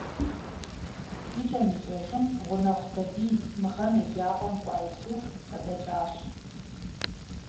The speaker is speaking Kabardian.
Икӏэм икӏэжым, гъунэгъу сабий - мы гъэм еджапӏэм кӏуа Исуф - къыдэкӏащ.